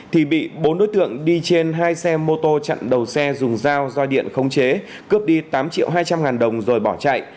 thì bị bốn đối tượng đi trên hai xe mô tô chặn đầu xe dùng dao do điện khống chế cướp đi tám triệu hai trăm linh ngàn đồng rồi bỏ chạy